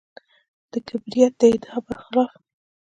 د کبریت د ادعا برخلاف.